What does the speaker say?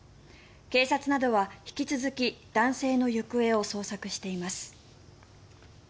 警察などは引き続き男性の行方を捜索しています。